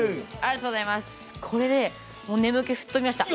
これで眠気、吹っ飛びました。